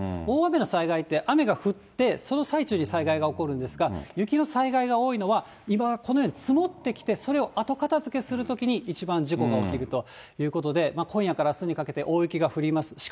大雨の災害って、雨が降って、その最中に災害が起こるんですが、雪の災害が多いのは、今、このように積もってきて、それを後片づけするときに、一番事故が起きるということで、今夜からあすにかけて大雪が降ります。